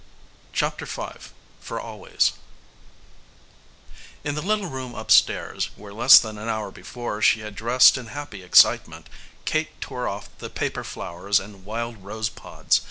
CHAPTER V FOR ALWAYS In the little room upstairs, where less than an hour before she had dressed in happy excitement, Kate tore off the paper flowers and wild rose pods.